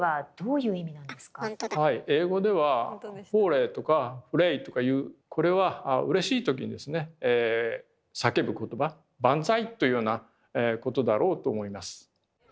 英語では「ｈｏｏｒａｙ」とか「ｈｕｒｒａｙ」とかいうこれはうれしい時にですね叫ぶ言葉「万歳」というようなことだろうと思います。